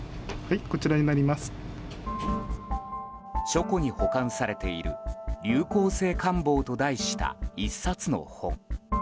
書庫に保管されている「流行性感冒」と題した１冊の本。